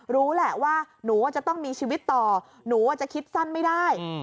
รู้แหละว่าหนูว่าจะต้องมีชีวิตต่อหนูอาจจะคิดสั้นไม่ได้